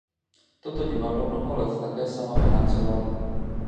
Toto divadlo mnoho let také sama financovala.